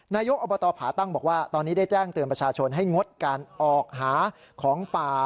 นายกอบตผาตั้งบอกว่าตอนนี้ได้แจ้งเตือนประชาชนให้งดการออกหาของป่า